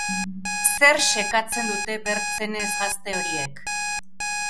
Zer xekatzen dute bertzenez gazte horiek?